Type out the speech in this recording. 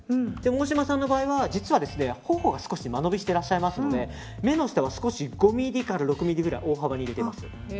大島さんの場合は、実は頬が間延びしてらっしゃいますので目の下が少し５ｍｍから６ｍｍ幅大幅に入れてます。